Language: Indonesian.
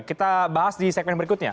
kita bahas di segmen berikutnya